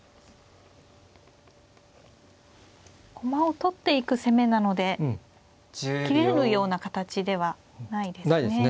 駒を取っていく攻めなので切れるような形ではないですね。